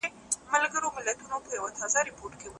ښه مي خړوب که په ژوند کي څه دي؟